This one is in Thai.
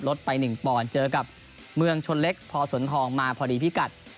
ไป๑ปอนด์เจอกับเมืองชนเล็กพอสนทองมาพอดีพิกัด